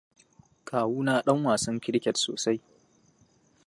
Kawuna ɗan wasan Kiriket sosai.